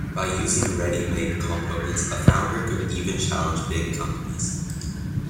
By using ready-made components a founder could even challenge big companies.